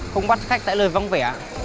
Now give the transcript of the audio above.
không bắt khách tại lời vắng vẻ